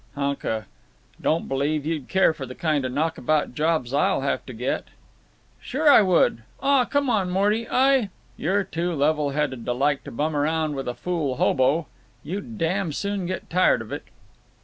"Hunka. Don't believe you'd care for the kind of knockabout jobs I'll have to get." "Sure I would. Aw, come on, Morty. I—" "You're too level headed to like to bum around like a fool hobo. You'd dam soon get tired of it."